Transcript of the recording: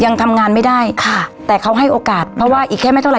ยังทำงานไม่ได้ค่ะแต่เขาให้โอกาสเพราะว่าอีกแค่ไม่เท่าไ